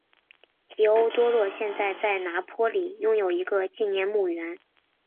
提欧多洛现在在拿坡里拥有一个纪念墓园。